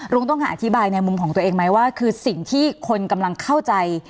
ลุงต้องการอธิบายในมุมของตัวเองไหมว่าคือสิ่งที่คนกำลังเข้าใจ